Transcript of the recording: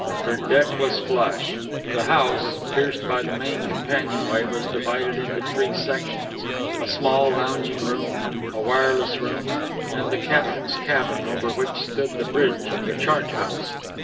Her deck was flush. The house, pierced by the main companionway, was divided into three sections a small lounging room, a wireless room, and the captain's cabin, over which stood the bridge and chart house.